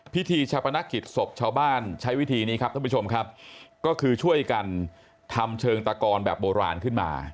พิธีชาปนกิจศพชาวบ้านใช้วิธีนี้ครับท่านผู้ชมครับก็คือช่วยกันทำเชิงตะกอนแบบโบราณขึ้นมา